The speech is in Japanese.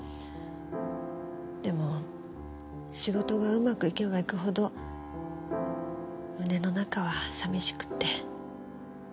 でも仕事がうまくいけばいくほど胸の中は寂しくって。